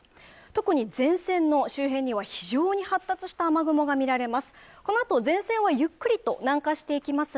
特に前線の周辺には非常に発達した雨雲が見られます